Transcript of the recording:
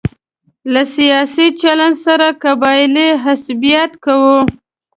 له سیاسي چلن سره قبایلي عصبیت کوو.